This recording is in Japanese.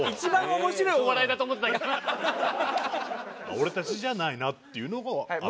俺たちじゃないなっていうのもあった？